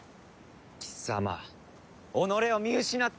貴様己を見失ってるな。